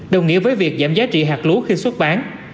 đồng nghĩa với việc giảm giá trị hạt lúa khi xuất bán